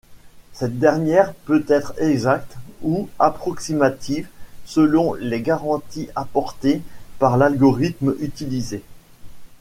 Cette dernière peut être exacte ou approximative, selon les garanties apportées par l’algorithme utilisé.